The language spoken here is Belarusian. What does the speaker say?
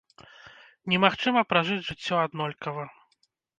Немагчыма пражыць жыццё аднолькава.